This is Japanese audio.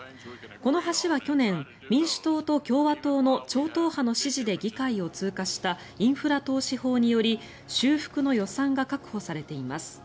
この橋は去年、民主党と共和党の超党派の支持で議会を通過したインフラ投資法により修復の予算が確保されています。